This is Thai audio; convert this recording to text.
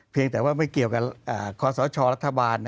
เพียงแต่ว่าไม่เกี่ยวกับคศรัฐบาล